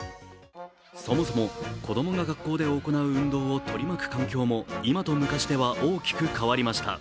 そもそも子供が学校で行う運動を取り巻く環境も今と昔では大きく変わりました。